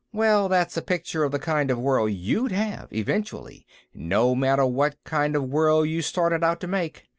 Well, that's a picture of the kind of world you'd have, eventually, no matter what kind of a world you started out to make.